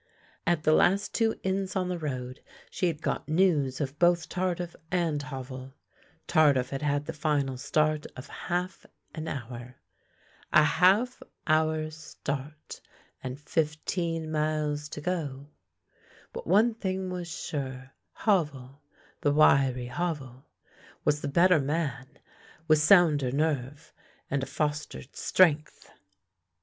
At the last two inns on the road she had got news of both Tardif and Havel. Tardif had had the final start of half an hour. A half hour's start, and fifteen miles to go! But one thing was sure, Havel — the wiry Havel — was the better man, with sounder nerve and a fostered strength.